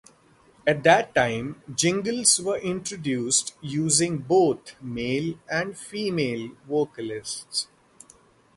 At that time, jingles were introduced using both male and female vocalists.